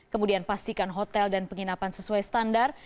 kemudian pastikan hotel dan penginapan sesuai standar